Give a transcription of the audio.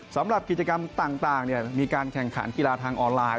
สำหรับกิจกรรมต่างมีการแข่งขันกีฬาทางออนไลน์